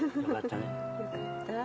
よかったね。